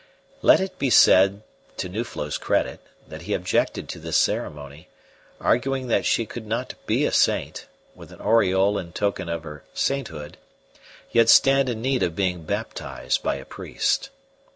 Let it be said to Nuflo's credit that he objected to this ceremony, arguing that she could not be a saint, with an aureole in token of her sainthood, yet stand in need of being baptized by a priest.